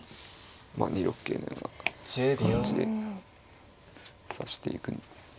まあ２六桂のような感じで指していく。